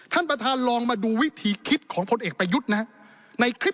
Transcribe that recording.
ท่านประธานลองมาดูวิธีคิดของพลเอกประยุทธ์นะฮะในคลิป